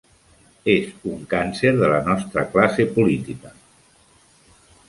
És un càncer de la nostra classe política.